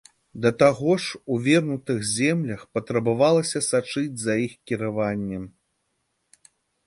Да таго ж, у вернутых землях, патрабавалася сачыць за іх кіраваннем.